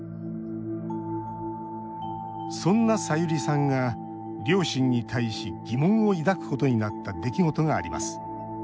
そんな、さゆりさんが両親に対し疑問を抱くことになった出来事があります。